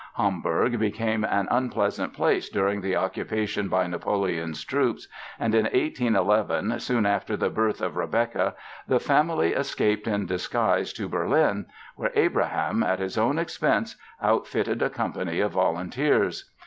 Hamburg became an unpleasant place during the occupation by Napoleon's troops and in 1811, soon after the birth of Rebecka, the family escaped in disguise to Berlin where Abraham, at his own expense, outfitted a company of volunteers.